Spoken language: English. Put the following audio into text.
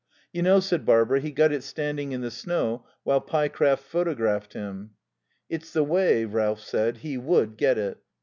"You know," said Barbara, "he got it standing in the snow, while Pyecraft photographed him." "It's the way," Ralph said, "he would get it."